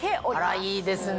あらいいですね。